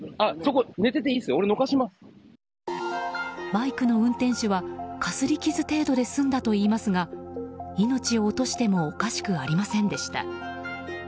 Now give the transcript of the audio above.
バイクの運転手はかすり傷程度で済んだといいますが命を落としてもおかしくありませんでした。